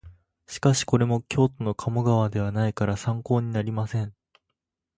しかしこれも京都の鴨川ではないから参考になりません